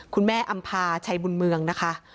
อำภาชัยบุญเมืองนะคะ